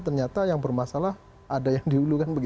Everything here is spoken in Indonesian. ternyata yang bermasalah ada yang dihulukan